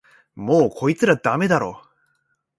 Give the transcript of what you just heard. もうこいつらダメだろ